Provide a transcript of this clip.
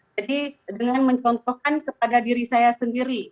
jadi dengan mencontohkan kepada diri saya sendiri